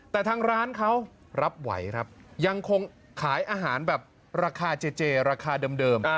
แต่ทางร้านเขารับไหวครับยังคงขายอาหารแบบราคาเจเจราคาเดิม